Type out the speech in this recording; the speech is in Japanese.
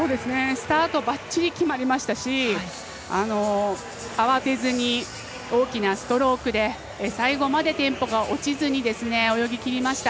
スタートばっちり決まりましたし慌てずに大きなストロークで最後までテンポが落ちずに泳ぎきりました。